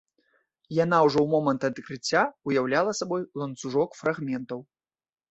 Яна ўжо ў момант адкрыцця ўяўляла сабой ланцужок фрагментаў.